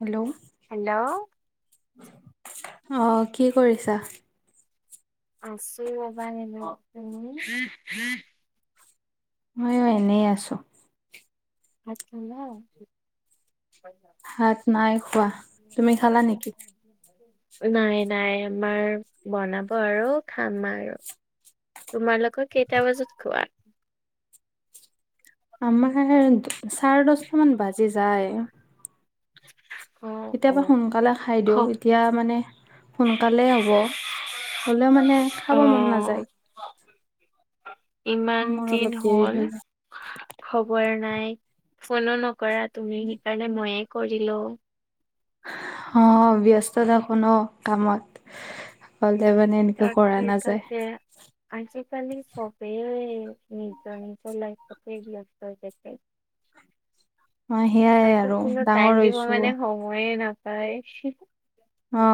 Hello? Hello? অ' কি কৰিছা? আছো ৰ'বা এনেই, তুমি? ময়ো এনেই আছোঁ। ভাত খালা? ভাত নাই খোৱা। তুমি খালা নেকি? নাই নাই আমাৰ বনাব আৰু খাম আৰু। তোমালোকৰ কেইটা বজাত খোৱা? আমাৰ চাৰে দশটা মান বাজি যায়। অ', কেতিয়াবা অ', সোনকালে খাই খ দিওঁ, এতিয়া মানে সোনকালে হব। হ'লেও মানে খাব মন নাযায়। অ', ইমান মোৰ দিন অলপ দেৰি হ'ল। হৈ যায় খবৰ নাই, ফোনো নকৰা তুমি, সেইকাৰণে ময়েই কৰিলো। অ', ব্যস্ত থাকো ন কামত। [unintelligible] তাৰমানে এনেকে কৰা তাকে নাযায়। তাকে। আজিকালি চবেই নিজৰ-নিজৰ লাইফটে ব্যস্ত হৈ থাকে। অ সেয়াই কাকো আৰু কোনো টাইম ডাঙৰ দিব হৈছো মানে সময়েই নাপায়। অ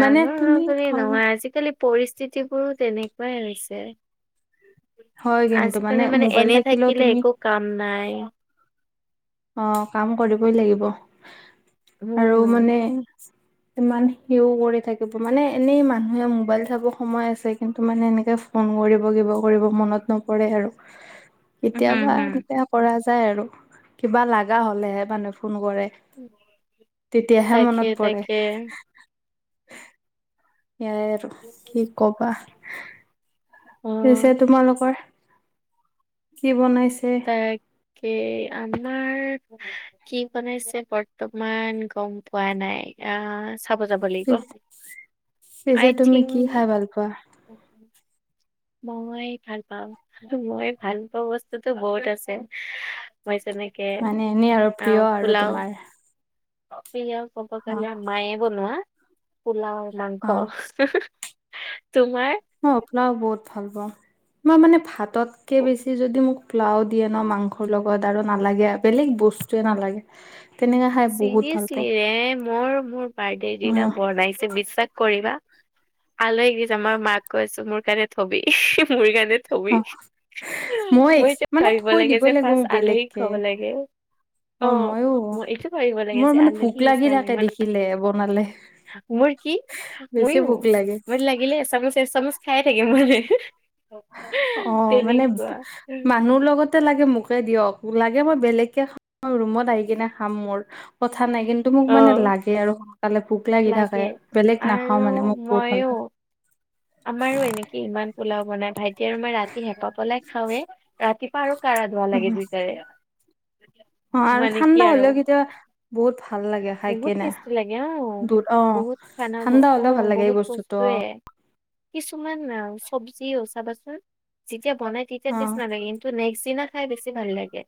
মানে হ'ল তুমি বুলি নহয়, আজিকালি পৰিস্থিতিবোৰো তেনেকুৱাই হৈছে। হয় কিন্তু আজিকালি মানে মোবাইল এনে থাকিলেও থাকিলে তুমি একো কাম নাই। অ', কাম কৰিবই লাগিব, আৰু উম। মানে [inaudible] ইমান সিও কৰি থাকিব, মানে এনেই মানুহে মোবাইল চাব সময় আছে, কিন্তু মানে এনেকে ফোন কৰিব, কিবা কৰিব, মনত নপৰে আৰু! [inaudible] কেতিয়াবা হুম। এনেকে কৰা যায় আৰু। কিবা লগা হ'লেহে মানুহে ফোন কৰে, তেতিয়াহে তাকে মনত পৰে। তাকে। এয়াই আৰু, কি ক'বা। অ পিছে তোমালোকৰ, কি বনাইছে? তাকে, আমাৰ কি বনাইছে বৰ্তমান গম পোৱা নাই। আ খাব যাব লাগিব, পি আই থিংক কোৱা? উম। মই ভাল পাম, আৰু মই ভাল পোৱা বস্তুতো বহুত আছে, মই যেনেকে মানে এনেই আৰু প্ৰিয় তাকে, আৰু পোলাও। তোমাৰ প্ৰিয় ক'ব গ'লে, মায়ে বনোৱা পোলাও- মাংস। অ অ তোমাৰ? মই পোলাও বহুত ভাল পাওঁ, মই মানে ভাততকে বেছি যদি মোক পোলাও দিয়ে ন, মাংসৰ লগত আৰু নালাগে বেলেগ বস্তুুৱে নালাগে। তেনেকে খাই বহুত ভাল পাওঁ। চিৰিয়াচলিৰে, মোৰ মোৰ বাৰ্থডেৰ দিনা উম বনাইছে, বিশ্বাস কৰিবা, আলহীক [unintelligible] মই মাক কৈছো মোৰ কাৰণে থবি, মোৰ কাৰণে থবি। অ এক্স মই যে মানে ভাবিব থৈ লাগে, দিবই যে লাগিব মোক ফাৰ্ষ্ট আলহীক বেলেগকে খুৱাব লাগে। অ', মই এইটো ভাবিব লাগি মোৰ যে, মানে ভোক আলহী লাগি আহিছে থাকে দেখিলে বনালে মোৰ কি, বেছি ময়ো, ভোক লাগে মই লাগিলে এচামুচ-এচামুচ খাই থাকিম মানে। অ', মানে তেনেকুৱা মানুহ লগত লাগে মোকে দিয়ক, লাগে মই বেলেগকে খাম, ৰুমত আহি কিনে খাম মোৰ, কথা নাই কি টো মোক অ মানে লাগে আৰু সোনকালে ভোক লাগি লাগে থাকে, বেলেগ নাখাও আৰু মানে, মই বহুত ভাল পাওঁ। [inaudible] আমাৰো এনেকে ইমান পোলাও বনাই, ভাইটি আৰু মই ৰাতি হেঁপাহ পলাই খাওৱে, ৰাতি পুৱা আৰু কাঢ়া-ধোৱা অ লাগে দুইটাৰে। অ', আৰু মানে কি ঠাণ্ডা আৰু হ'লেও কেতিয়াবা বহুত ভাল লাগে। খাই বহুত কেনে টেষ্টি লাগে অ', দূৰ অ বহুত খানা ঠাণ্ডা হ'লেও ভাল অ', লাগে এই বহুত বস্তুটো বস্তুৱে। কিছুমান চব্জিও চাবাচোন, যেতিয়া বনাই তেতিয়া অ টেষ্ট নালাগে। ত নেক্স দিনা খাই বেছি ভাল লাগে।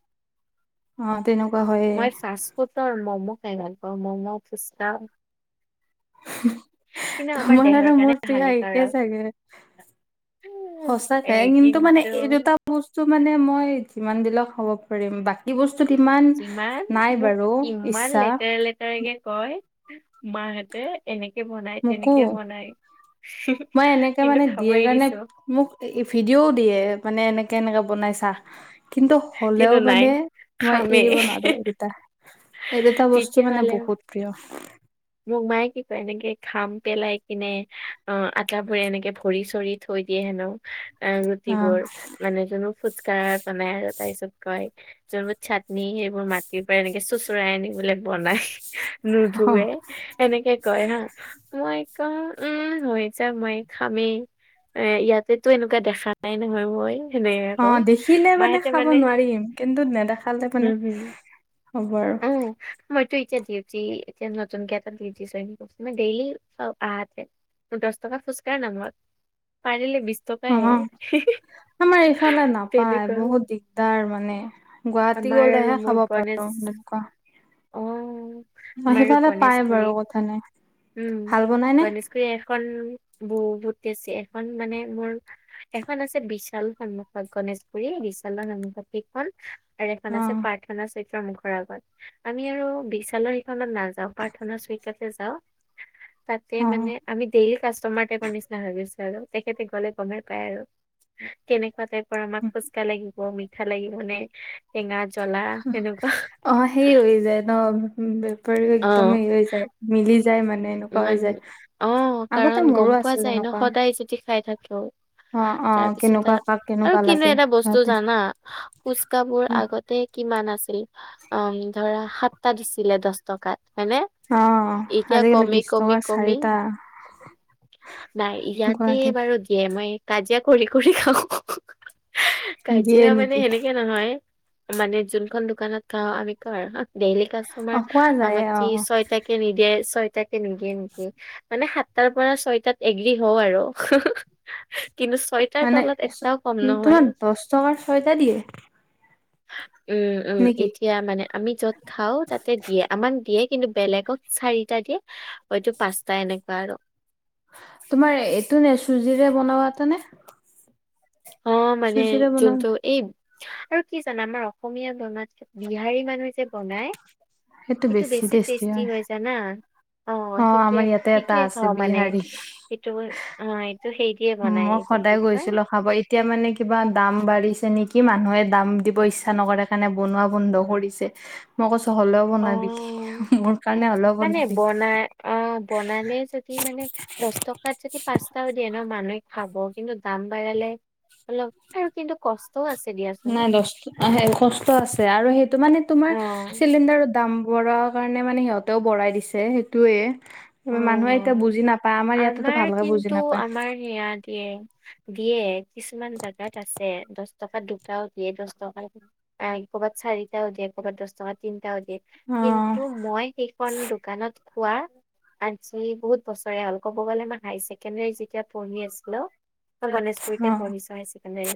অ', তেনেকুৱা হয়েই। মই ফাষ্ট ম'ম' খাই ভাল পাওঁ ম'ম' ফুচকা। কিন্তু আমাৰ তোমাৰ দেহৰ আৰু কাৰণে মোৰ প্ৰিয় হানিকাৰক একেই চাগে। সঁচাকে কিন্তু মানে এইটো দুটা - বস্তু মানে মই যিমান দিলাক খাবব পাৰিম বাকী- বস্তুত ইমান, যিমান নাই বাৰু ইচ্ছা। তাৰকে কয়, মাহঁতে এনেকে বনাই মোকো তেনেকে বনায়। মই এনেকে মানে দিয়ে কাৰণে মোক ভিডিঅ'ও দিয়ে মানে এনেকে এনেকে বনাইছে - কিন্তু হলেও কিন্তু নাই মানে মই খামেই এৰিব নোৱাৰো এই দুটা। এই দুটা বস্তু মানে তেতিয়াহ'লে বহুত প্ৰিয়। মোক মায়ে কি কয় এনেকে ঘাম পেলাই কিনে অ আটাবোৰে এনেকে ভৰি চৰিত- থৈ দিয়ে হেনো আহ অ ৰুটিবোৰ। মানে জোনো ফুচকা বনাই আৰু তাৰপিছত কয়- যোনবোৰ চাটনি সেইবোৰ মাটিৰ পৰা এনেকে চোচৰা আনিবোলে বনাই নোধোৱে। এনেকে কয় হা মই কম উম হৈ যা মই খামেই। এ ইয়াতেতো এনেকুৱা দেখা নাই নহয় মই। সেনেকে অ কওঁ দেখিলে মানে খাব নোৱাৰিম কিন্তু নেদেখালে হম মানে- হম হ'ব আৰু। উম, মইতো এতিয়া ডিউটি এতিয়া নতুনকে এটা ডিউটি জইন কৰিছোঁ মই ডেইলি আহাতে- দহ টকা ফুচকাৰ নামত, পাৰিলে বিশ অ টকাই। আমাৰ ইফালে নাপায় বহুত দিগদাৰ মানে গুৱাহাটী আমাৰ আৰু গলেহে মোৰ খাব গণেশ পাৰো। ক অ আমাৰ আৰু সিফালে পাই বাৰু গণেশগুৰিত কথা নাই, উম ভাল বনাই নে? গণেশগুৰি এখন ব বুট আছে এখন মানে মোৰ- এখন আছে বিশাল নাম গনেশগুৰি বিশালৰ নামপাপিক। খন আৰু এখন অ আছে প্ৰাৰ্থনা চৈত্ৰৰ মুখৰ আগত। আমি আৰু বিশালৰ সেইখনত নাযাও প্ৰাৰ্থনা চৰিততে যাওঁ, তাতে অ মানে- আমি ডেইলি কাষ্টমাৰ টাইপৰ নিচিনা হৈ গৈছো আৰু তেখেতে গ'লে গমেই পায় আৰু। কেনেকুৱা টাইপৰ আমাক ফুচকা লাগিব মিঠা লাগিব নে। টেঙা জ্বলা সেনেকুৱা। অ সেই হৈ যায় ন বেপাৰীও একদম হে হৈ যায়। মিলি যায় মানে। এনেকুৱা হৈ মানে, যায় অ আগতে কাৰণ মোৰো গম পোৱা আছিল যায় ন এনেকুৱা সদায় যদি খাই থাকো। অ অ তাৰপিছত কেনেকুৱা আৰু, কাক কেনেকুৱা আৰু কিন্তু লাগে এটা বস্তু সিহঁতে জানা ফুচকাবোৰ উম আগত- কিমান আছিল অ ধৰা সাতটা দিছিলে দহ টকাত হয় নে। অ। আজিকালি কমি বিশ কমি টকাৰ কমি, চাৰিটা নাই ইয়াতে গুৱাহাটীত বাৰু দিয়ে মই। কাজিয়া কৰি কৰি খাওঁ, দিয়ে কাজিয়া মানে নেকি সেনেকে নহয়। মানে যোনখন দোকানত খাওঁ আমি ক ডেইলি অ কাষ্টমাৰ কোৱা যায় আমাক অ কি ছয়টা- কে নিদিয়ে ছয়টা কে নিদিয়ে নেকি মানে সাত তাৰ পৰা ছয়টাত এগ্ৰী হও আৰু, কিন্তু ছয় মানে, তোমাৰ দহ টকাৰ ছয়টা দিয়ে? উম উম ই নেকি এয়া মানে আমি য'ত খাওঁ তাতে দিয়ে আমাক দিয়ে কিন্তু বেলেগক চাৰিটা দিয়ে। হয়তটো পাঁচটা এনেকুৱা আৰু। তোমাৰ এইটো নে চুজিৰে বনোৱা এটা নে? অ মানে চুজিৰে বনোৱা যোনতু এই- আৰু কি জানা আমাৰ অসমীয়া বনাত বিহাৰী মানুহে যে বনায়, এইটো বেছি টেষ্টি হৈ জানা। অ সেইটোয়ে আমাৰ ইয়াতে এটা সেইটোৱে আছে খাওঁ মানে বিহাৰী সেইটো অ এইটো সেই, দিয়ে উম বনাই মই এইটো কি সদায় কয় গৈছিলো খাবয়ে, এতিয়া মানে কিবা দাম বাঢ়িছে নেকি মানুহে দাম দিব ইচ্ছা নকৰে সকাৰণে বনোৱা বন্ধ কৰিছে। মই কৈছো হ'লেও বনাবি অ', মোৰ কাৰণে হ'লেও মানে বনাবি। বনাই অ বনালে যদি মানে, দছ টকাত যদি পাঁচটাও দিয়ে ন মানুহে খাব কিন্তু দাম বাঢ়ালে, অলপ আৰু কিন্তু কষ্ট, তো আছে দিয়া। নাই দষ্ট সে কষ্ট আছে আৰু সেইটো মানে তোমাৰ অ', চিলিণ্ডাৰৰ দাম বঢ়া, কাৰণে মানে সিহঁতেও বঢ়ই দিছে সেইটোৱে। মানুহে এতিয়া অ'। বুজি নাপায় আমাৰ ইয়াতেতো ভালদৰে কিন্তু বুজি নাপায়। আমাৰ সেয়া দিয়ে। দিয়ে, কিছুমান জেগাত আছে দছ টকাত দুটাও দিয়ে দছ টকা, অ ক'ৰবাত চাৰিটাও দিয়ে ক'ৰবাত দছ টকাত, তিনটাও দিয়ে, অ কিন্তু মই সেইখন দোকানত খোৱা, আজি বহুত বছৰে হ'ল, ক'ব গ'লে মই হায়াৰ ছেকেণ্ডৰী যেতিয়া পঢ়ি আছিলো, মই অ গণেশগুৰিতে পঢ়িচো হাই ছেকেণ্ডেৰি।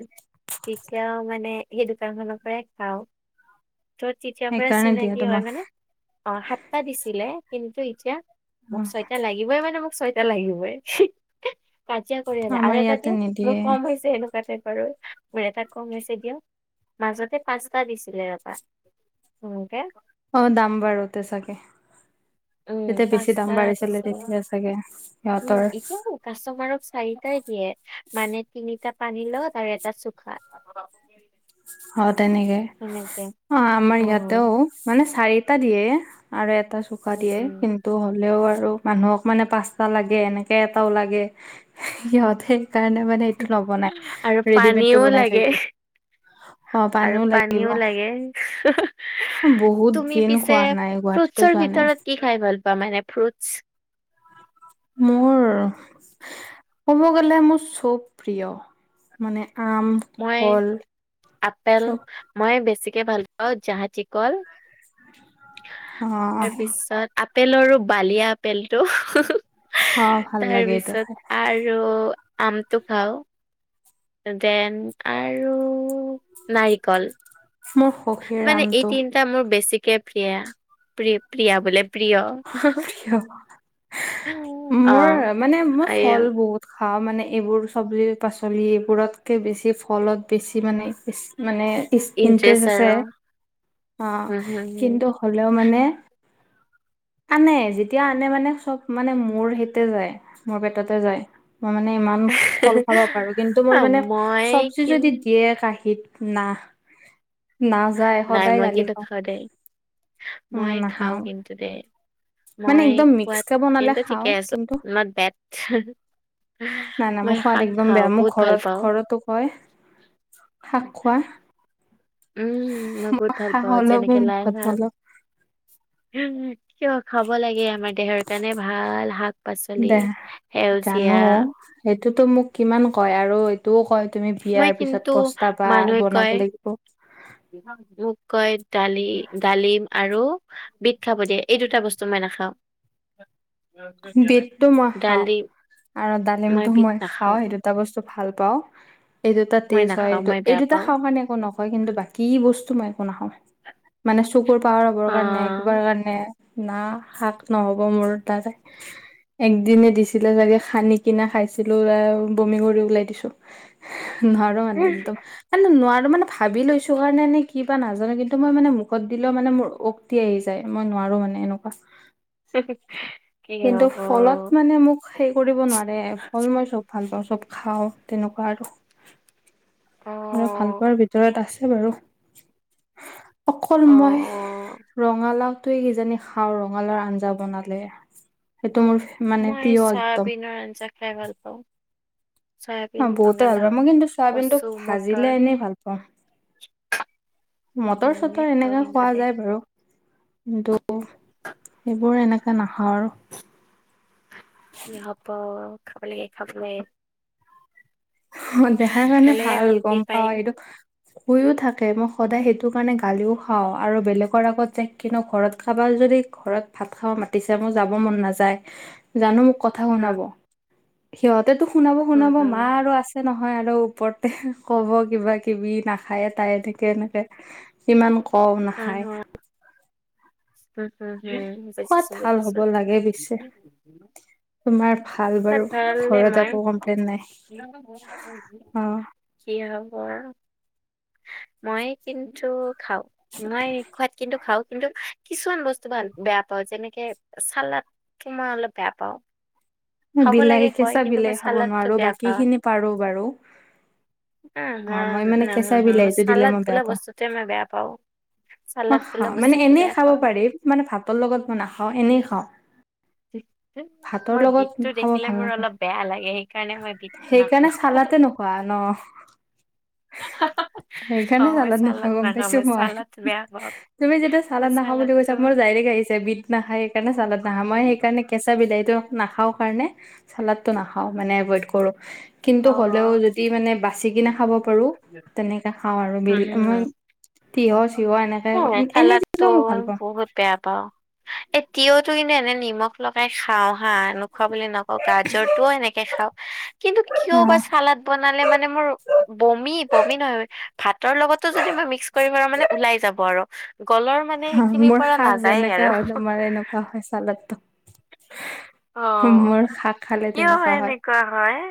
তেতিয়াও মানে সেই দোকান খনৰ পৰাই খাওঁ। ত তেতিয়াৰ পৰা সেইকাৰণে দিয়ে চিনাকি হয় তোমাক মানে, অ সাতটা দিছিলে কিন্তু এতিয়া অ মোক ছয়টা লাইক, লাগিবই মানে মোক ছয়টা লাগিবই। কাজিয়া কৰি হলো, আৰু আমাৰ এটা ইয়াতে দিয়ক মোৰ নিদিয়ে কম হৈছে সেনেকুৱা কে কৰো। মোৰ এটা কম হৈছে দিয়ক, মাজতে পাঁচটা দিছিলে এবাৰ, হেনেকে অ দাম বাঢ়োতে চাগে। উম যেতিয়া বেছি দাম পাঁচটা বাঢ়িছিলে দিছিলে তেতিয়া চাগে উম সিহঁতৰ। এতিয়াও কাষ্টমাৰক চাৰিটাই দিয়ে মানে তিনিটা পানী লগত আৰু এটা চুখা। হ তেনেকে সেনেকে আমাৰ অ ইয়াতেউ, মানে চাৰিটা দিয়ে, আৰু এটা চুখা উম, দিয়ে উম। কিন, তটো হ'লেও আৰু মানুহক মানে পাঁচটা লাগে এনেকে এটাও লাগে, সিহতে সেইকাৰণে মানে এইটো নবনাই, আৰু ৰেডিমেড পানীও টো বনাই লাগে থৈ দিয়ে। অ [inaudible] আৰু লাগিব পানীও লাগে, বহুত তুমি দিন পিছে খোৱা নাই গুৱাহাটীতো ফ্ৰুটছৰ যোৱা নাই ভিতৰত কি খাই ভাল পোৱা মানে ফ্ৰুটছ, মোৰ ক'ব গ'লে মোৰ চব প্ৰিয়, মানে আম, মই কল। আপেল চব মই বেছিকে ভাল পাওঁ জাহাজিকল। অ তাৰপিছত আপেলৰো বালিয়া আপেলটো, অ ভাল তাৰ লাগে এইটো পিছত খাই আৰু আমটো খাও। যেন আৰু নাৰিকল। স্মুখ, মানে এই তিনটা মোৰ বেছিকে প্ৰিয়া প্ৰি প্ৰিয়া বোলে, প্ৰিয় প্ৰিয় মোৰ মানে মই ফল অ, বহুত খাওঁ মানে এইবোৰ চব্জি পাচলি এইবোৰতকে বেছি ফলত বেছি মানে ইছ মানে, ইচ ইণ্টৰেষ্ট ইণ্টাৰেষ্ট আছে। আৰু অ হম হম হম কিন্তু হ'লেও মানে। আনে যেতিয়া আনে মানে চব মানে মোৰ সেইতে যায় মোৰ পেটতে যায়। মই মানে ইমান ফল খাব পাৰোঁ কিন্তু অ, মই মানে মই চব্জি কি যদি দিয়ে কাঁহীত। নাহ। নাযায় নাই সদায় মই গালি কিন্তু খাওঁ। দেই উম মই খাওঁ নাখাওঁ। কিন্তু দেই মানে মই একদম মিক্স খোৱাত কে বনালে কিন্তু ঠিকে খাওঁ আছোঁ কিন্তু নত বেট। নাই নাই মই শাক খাওঁ। বহুত ভাল পাওঁ। হয়। শাক খোৱা। উম মই বহুত ভাল হাঁহ পাওঁ অলপো যেনেকে লাই মুখত শাক। অলপ কিয় খাব লাগে আমাৰ দেহৰ কাৰণে ভাল শাক পাচলি দেহ জানো সেউজীয়া। সেইটোতো মোক কিমান কয় আৰু এইটোও কয় তুমি মই বিয়াৰ পিছত কিন্তু পস্তাবা বনাব লাগিব। ম কৈ ডালি ডালিম আৰু বিট খাব দিয়ে এই দুটা বস্তু মই নাখাওঁ। বিটটো মই খাওঁ ডালিম আৰু ডালিমটো বিট মই খাওঁ নাখাওঁ এইটো [unintelligible] বস্তু ভাল পাওঁ। এই দুটা মই তেজ হয় নাখাওঁ এইটো মই এই বেয়া দুটা পাওঁ খাওঁ কাৰণে একো নকয় কিন্তু বাকী বস্তু মই একো নাখাওঁ। মানে চকুৰ পাৱাৰ হ'বৰ কাৰণে কিবা অ'। কাৰণে না শাক নহ'ব মোৰ দ্বাৰা। [inaudible] একদনে দিছিলে চাগে সানি কিনা খাইছিলো বমি কৰি ওলাই দিছোঁ। নোৱাৰোঁ মানে একদম। এ নোৱাৰোঁ মানে ভাৱি লৈছো কাৰণে এনে কিবা নাজানো কিন্তু মই মানে মুখত দিলে মানে মোৰ আহি যায় মই নোৱাৰোঁ মানে এনেকুৱা। [unintelligible] কিন্তু ফলত অ', মানে মোক সেই কৰিব নোৱাৰে ফল মই চব ভাল পাওঁ চব খাওঁ তেনেকুৱা আৰু। আৰু অ', ভালপোৱাৰ ভিতৰত আছে বাৰু। অকল মই। অ'। ৰঙালাওটোৱে কিজানি খাওঁ ৰঙালাওৰ আঞ্জা বনালে। সেইটো মোৰ মানে মই প্ৰিয় একদম চয়াবিনৰ আঞ্জা খাই ভাল পাওঁ। অ চয়াবিন, বহুতে ভাল ৰঙালাও, পায়। মই কিন্তু চয়াবিনটোক কচু, ভাজিলে মটৰ এনেই ভাল পাওঁ। [unintelligible] উম, মটৰ হুম চটৰ খাওঁ এনেকা কিন্তু খোৱা দে যায় বাৰু। কিন্তু সেইবোৰ এনেকে নাখাওঁ আৰু। কি হ'ব খাব লাগে খাব লাগে। অ দেহাৰ কাৰণে খালেহে ভাল শক্তি গম পায়। পাওঁ এইটো কৈয়ো থাকে মই সদায় সেইটো কাৰণে গালিও খাওঁ আৰু বেলেগৰ আগত যে কিনো ঘৰত কাবাৰ যদি। ঘৰত ভাত খাব মাতিছে মোৰ যাব মন নাযায়। [inaudible] জানোঁ মোক কথা উম, শুনাব সিহঁতেটো শুনাব, উম, শুনাব হুম, মা আৰু আছে নহয় আৰু ওপৰতে কব কিবা কিবি নাখায় তাই এনেকে, এনেকে। ইমান কওঁ উম, নাখায়। হুম, উম হম, হম খোৱাত বুজিছোঁ, ভাল হ'ব বুজিছোঁ। লাগে পিছে তোমাৰ ভাল বাৰু ঘৰত একো কমপ্লেইন নাই অ [unintelligible] কি হব আও মই কিন্তু খাওঁ। মই খোৱাত কিন্তু খাওঁ কিন্তু কিছুমান বস্তু ভা বেয়া পাওঁ যেনেকে চালাদ। টো মই অলপ বেয়া পাও। খাব বিলাহী লাগে কয় কেঁচা কিন্তু মই বিলাহী খাব চালাডটো নোৱাৰো বেয়া বাকী পাওঁ। খিনি পাৰো বাৰু অ মই মানে কেঁচা [unintelligible] বিলাহীটো দিলে চালাদ মই বেয়া বোলা পাওঁ বস্তুটোৱে মই বেয়া পাও। মই খাওঁ মানে এনেই খাব ন। পাৰি মানে ভাতৰ লগত মই নাখাওঁ এনেই খাওঁ। [unintelligible] ভাতৰ মই বি লগত টো খাব দেখিলে ভাল মোৰ নাপাওঁ অলপ বেয়া লাগে সেইকাৰণে মই বিতটো সেইকাৰণে নাখাওঁ। চালাতে নোখোৱা ন অ সেইকাৰণে মই চালাদ নোখোৱা চালাত গম নাখাওঁ পাইছো মই চালাত বেয়া পাও। তুমি যেতিয়া চালাদ নাখাও বুলি কৈছা মোৰ যায়। [unintelligible] বিত নাখায় সেইকাৰণে চালাত নাখাই মই সেই কাৰণ কেঁচা বিলাহীটো নাখাওঁ। চালাতটো নাখাও মানে এভয়েত কৰো। কিন্তু অ হ'লেও যদি মানে বাচি কিনে খাব পাৰো তেনেকা খাওঁ আৰু বিল মো উম তিঁয়হ চিয়হ এনেকে এনেই চালাদটো দিলেও মোক ভাল পাওঁ। বহুত বেয়া পাও এই তিয়হতো কিন্তু এনে নিমখ। লগাই খাওঁ হা নোখোৱা বুলি নকওঁ গাজৰটোও এনেকে খাওঁ কিন্তু টো বা চালাদ বনালে মানে মোৰ বমি বমি নহয় ভাতৰ লগতো যদি মই মিক্স কৰিব মানে ওলাই যাব। গৰ গলৰ মানে। সেইখিনিৰ মোৰ পৰা শাক নাযায়েই আৰু যেনেকা হয় তোমাৰ এনকা হয় অ চালতটো মোৰ শাক খালে তেনকা হয় কৰা হয়